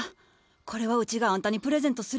これはうちがあんたにプレゼントする。